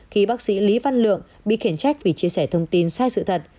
khi bác sĩ lý văn lượng bị khiển trách vì chia sẻ thông tin sai sự thật